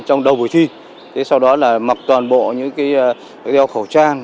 trong đầu buổi thi sau đó là mặc toàn bộ những đeo khẩu trang